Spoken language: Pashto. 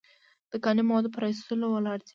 د کاني موادو په را ایستلو ولاړ دی.